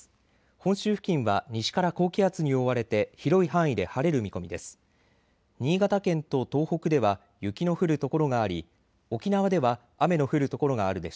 本州付近は西から高気圧に覆われて広い範囲で晴れる見込みです。